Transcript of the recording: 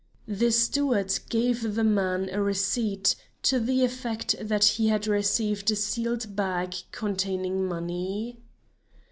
The steward gave the man a receipt, to the effect that he had received a sealed bag containing money.